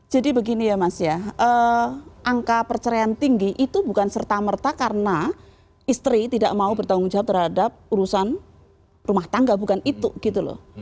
jadi begini ya mas ya angka perceraian tinggi itu bukan serta merta karena istri tidak mau bertanggung jawab terhadap urusan rumah tangga bukan itu gitu loh